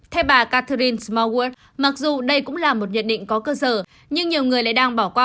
theo bà catherine smart mặc dù đây cũng là một nhận định có cơ sở nhưng nhiều người lại đang bỏ qua